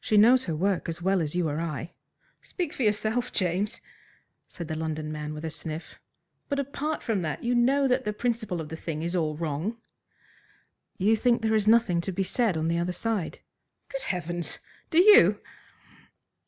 "She knows her work as well as you or I." "Speak for yourself, James," said the London man with a sniff. "But apart from that, you know that the principle of the thing is all wrong." "You think there is nothing to be said on the other side?" "Good heavens! do you?"